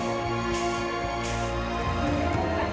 ก็ยังมีปัญหาราคาเข้าเปลือกก็ยังลดต่ำลง